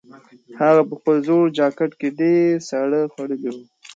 هغه په خپل زوړ جاکټ کې ډېر ساړه خوړلي وو.